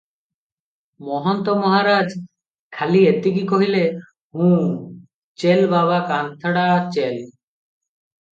ମହନ୍ତ ମହାରାଜ ଖାଲି ଏତିକି କହିଲେ, "ହୁଁ - ଚେଲ୍ ବାବା କାନ୍ଥଡ଼ା ଚେଲ୍ ।"